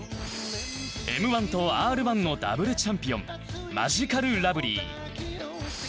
Ｍ−１ と Ｒ−１ のダブルチャンピオンマヂカルラブリー